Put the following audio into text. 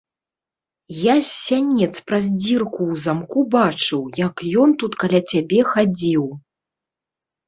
Я з сянец праз дзірку ў замку бачыў, як ён тут каля цябе хадзіў.